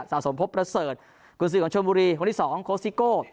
สมพบประเสริฐกุญสือของชนบุรีคนที่สองโค้ชซิโก้